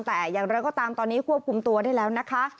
แต่อย่างไรก็ตามตอนนี้ควบคุมตัวได้แล้วนะคะ